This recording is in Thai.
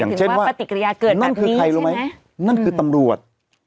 อย่างเช่นว่าปฏิกิริยาเกิดแบบนี้ใช่ไหมนั่นคือใครรู้ไหมนั่นคือตำรวจ